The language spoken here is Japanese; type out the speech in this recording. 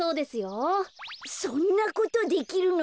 そんなことできるの？